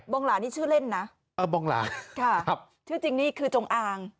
หลานี่ชื่อเล่นนะเออบองหลาค่ะครับชื่อจริงนี่คือจงอาง